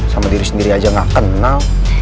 sama diri sendiri aja gak kenal